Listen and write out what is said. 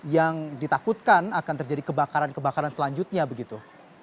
yang ditakutkan akan terjadi kebakaran kebakaran selanjutnya begitu